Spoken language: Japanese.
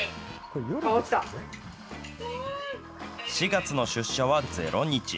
４月の出社は０日。